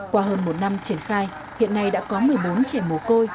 qua hơn một năm triển khai hiện nay đã có một mươi bốn trẻ mồ côi